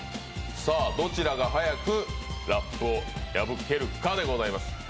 どちらが早くラップを破けるかでございます。